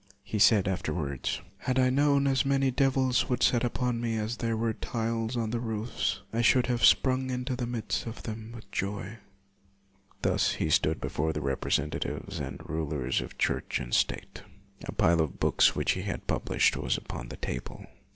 He said after wards, " Had I known as many devils would set upon me as there were tiles i8 LUTHER on the roofs, I should have sprung into the midst of them with joy.' : Thus he stood before the representatives and rulers of Church and state. A pile of books which he had published was upon the table.